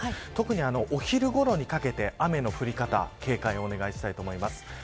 お昼ごろにかけて雨の降り方警戒をお願いしたいと思います。